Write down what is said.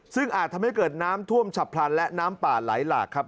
ซึ่งอาจทำให้เกิดน้ำท่วมฉับพลันและน้ำป่าไหลหลากครับ